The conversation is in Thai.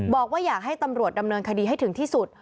บอกว่าอยากให้ตำรวจดำเนินคดีให้ถึงที่สุด